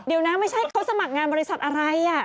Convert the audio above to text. เดี๋ยวนะไม่ใช่เขาสมัครงานบริษัทอะไร